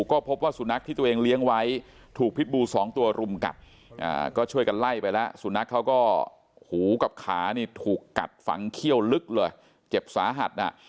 ก็พบว่าสุนัขที่ตัวเองเลี้ยงไว้ถูกพิษบูสองตัวรุมกัดก็ช่วยกันไล่ไปแล้วสุนัขเขาก็หูกับขานี่ถูกกัดฝังเขี้ยวลึกเลยเจ็บสาหัสอ่ะ